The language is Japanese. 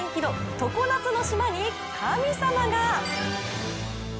常夏の島に神様が。